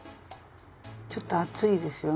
ちょっと厚いですよね？